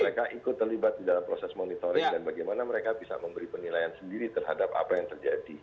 mereka ikut terlibat di dalam proses monitoring dan bagaimana mereka bisa memberi penilaian sendiri terhadap apa yang terjadi